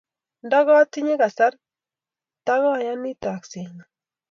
Ndakwatinye kasar taa yani taakset nyi.